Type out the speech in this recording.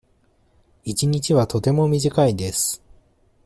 一日はとても短いです。